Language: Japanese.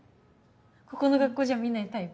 ここの学校じゃ見ないタイプ。